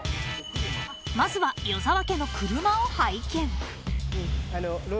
［まずは与沢家の車を拝見］